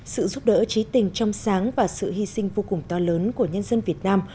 sự giúp đỡ trí tình trong sáng và sự hy sinh vô cùng to lớn của nhân dân việt nam